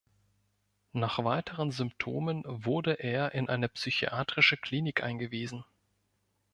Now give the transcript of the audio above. Nach weiteren Symptomen wurde er in eine psychiatrische Klinik eingewiesen.